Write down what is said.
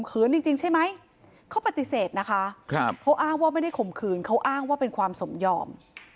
คุณาว่าไม่ได้ข่มขืนเขาอ้างว่าเป็นความสมยอม